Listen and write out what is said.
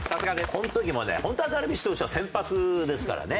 この時もねホントはダルビッシュ投手は先発ですからね。